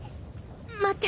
待って！